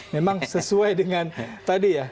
memang sesuai dengan tadi ya